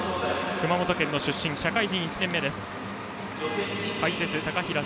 熊本県出身、社会人１年目の平野。